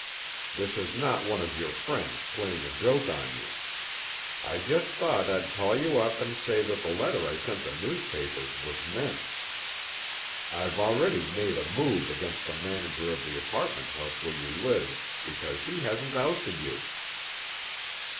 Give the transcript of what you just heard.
This is not one of your friends playing a joke on you. I just thought I'd call you up and say that the letter I sent the newspapers was meant. I've already made a move against the manager of the apartment house where you live because he hasn't ousted you."